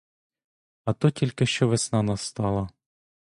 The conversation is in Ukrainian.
А то тільки що весна настала.